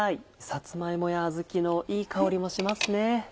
さつま芋やあずきのいい香りもしますね。